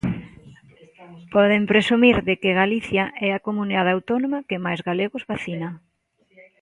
Poden presumir de que Galicia é a comunidade autónoma que máis galegos vacina.